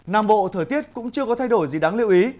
nam bộ thời tiết cũng chưa có thay đổi gì đáng lưu ý